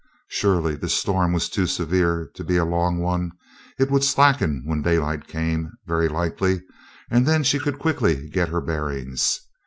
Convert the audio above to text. Surely the storm was too severe to be a long one it would slacken when daylight came, very likely, and then she could quickly get her bearings.